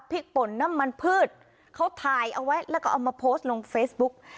ป่นน้ำมันพืชเขาถ่ายเอาไว้แล้วก็เอามาโพสต์ลงเฟซบุ๊ก